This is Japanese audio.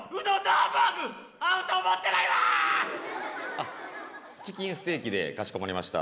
あチキンステーキでかしこまりました。